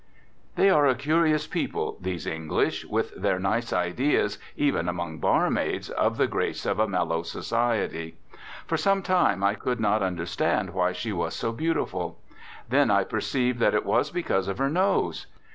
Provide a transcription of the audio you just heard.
They are a curious people, these English, with their nice ideas, even among barmaids, of the graces of a mellow society. For some time I could not understand why she was so beautiful. Then I perceived that it was because of her nose.